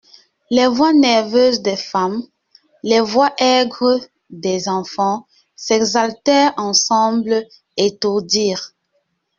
Les voix nerveuses des femmes, les voix aigres des enfants s'exaltèrent ensemble, étourdirent.